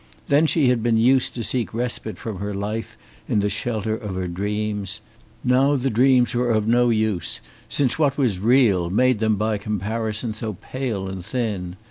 Then she had been used to seek respite from her life in the shelter of her dreams. Now the dreams were of no use, since what was real made them by comparison so pale and thin.